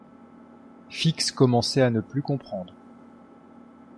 Fix commençait à ne plus comprendre.